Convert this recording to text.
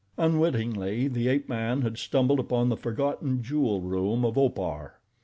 Unwittingly, the ape man had stumbled upon the forgotten jewel room of Opar.